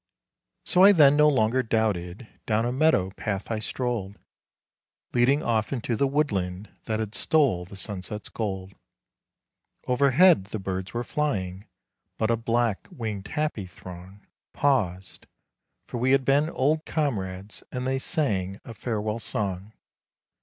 So I then no longer doubted, down a meadow path I strolled, Leading off into the woodland that had stole the sunset's gold. Overhead the birds were flying, but a black winged happy throng Paused; for we had been old comrades and they sang a farewell song.